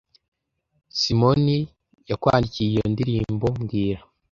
Simoni yakwandikiye iyo ndirimbo mbwira